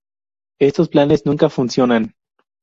Estos planes nunca funcionan.